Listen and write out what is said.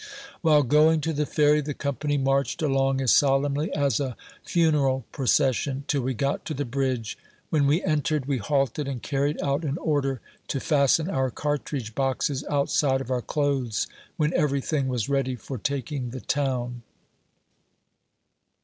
While going to the Ferry, the company marched along as solemnly as a fune ral procession, till we got to the bridge. When we entered, we halted, and carried out an order to fasten our cartridge boxes outside of our clothes, when every thing was ready for taking the town.